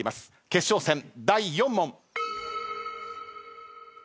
決勝戦第４問。